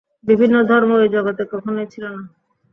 বিভিন্ন ধর্ম এই জগতে কখনই ছিল না।